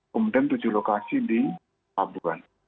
kemudian tujuh lokasi di pelabuhan